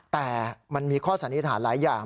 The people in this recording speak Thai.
แต่มันมีข้อสันนิษฐานหลายอย่าง